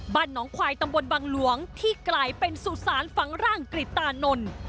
บ้านน้องควายตำบลบังหลวงที่กลายเป็นสุสานฝังร่างกริตานนท์